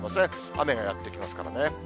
雨がやって来ますからね。